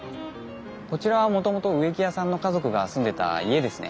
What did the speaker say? こちらはもともと植木屋さんの家族が住んでた家ですね。